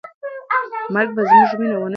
مرګ به زموږ مینه ونه شي مهار کولی.